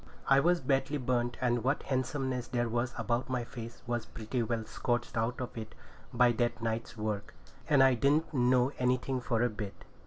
I was badly burnt, and what handsomeness there was about my face was pretty well scorched out of it by that night's work; and I didn't know anything for a bit.